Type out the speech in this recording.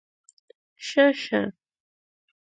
شه شه